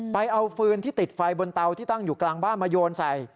ไปเอาฟืนที่ติดไฟบนเตาที่ตั้งอยู่กลางบ้านมาโยนใส่